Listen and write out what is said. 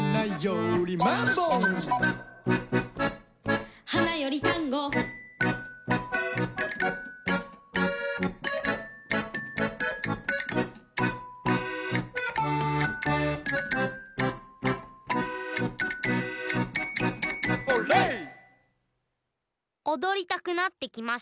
おどりたくなってきましたね。